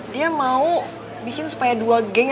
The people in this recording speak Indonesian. dia mau bikin supaya dua geng yang sama dia berdua